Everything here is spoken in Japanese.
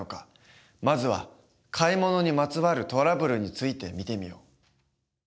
まずは買い物にまつわるトラブルについて見てみよう。